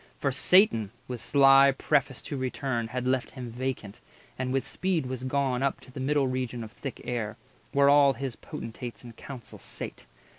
For Satan, with sly preface to return, Had left him vacant, and with speed was gone Up to the middle region of thick air, Where all his Potentates in council sate.